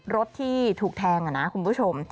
รถที่ถูกแทงนะคุณผู้ชม